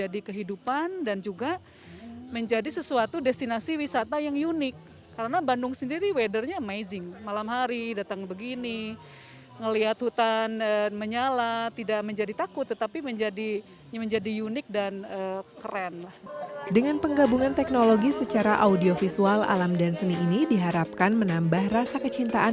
dengan penggabungan teknologi secara audiovisual alam dan seni ini diharapkan menambah rasa kecintaan